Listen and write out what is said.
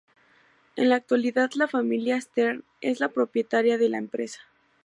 En la actualidad la familia Stern es la propietaria de la empresa.